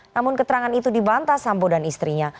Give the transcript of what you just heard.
namun keterangan itu dibantah sambo dan istrinya